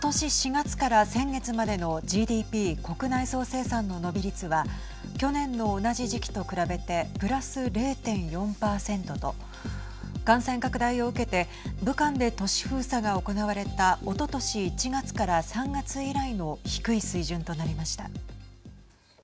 ４月から先月までのＧＤＰ＝国内総生産の伸び率は去年の同じ時期と比べてプラス０．４％と感染拡大を受けて武漢で都市封鎖が行われたおととし１月から３月以来の低い水準となりました。